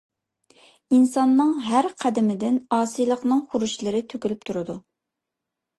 ئىنساننىڭ ھەر قەدىمىدىن ئاسىيلىقنىڭ خۇرۇچلىرى تۆكۈلۈپ تۇرىدۇ.